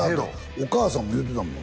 お母さんも言うてたもん